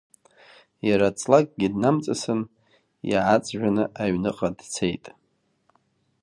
Иара ҵлакгьы днамҵасын, иааҵжәаны аҩныҟа дцеит.